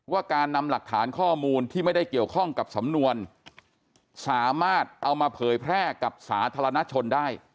การนำหลักฐานข้อมูลที่ไม่ได้เกี่ยวข้องกับสำนวนสามารถเอามาเผยแพร่กับสาธารณชนได้